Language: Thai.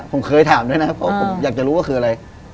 ผมเคยถามด้วยนะครับเพราะผมอยากจะรู้ว่าคืออะไร